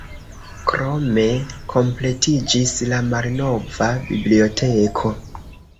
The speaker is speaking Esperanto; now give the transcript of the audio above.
Krome kompletiĝis la malnova biblioteko.